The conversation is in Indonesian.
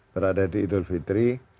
berada di idul fitri